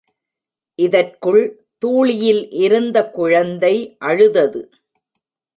இதற்குள் தூளியில் இருந்த குழந்தை அழுதது.